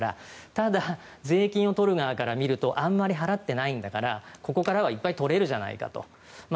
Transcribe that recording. ただ、税金を取る側から見るとあまり払っていないんだからここからはいっぱい取れるじゃないかと。